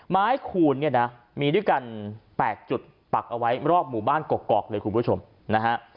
คูณเนี่ยนะมีด้วยกัน๘จุดปักเอาไว้รอบหมู่บ้านกกอกเลยคุณผู้ชมนะฮะ